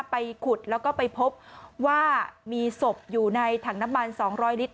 ไปขุดแล้วก็ไปพบว่ามีศพอยู่ในถังน้ำมัน๒๐๐ลิตร